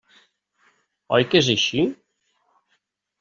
Oi que és així?